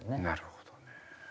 なるほどね。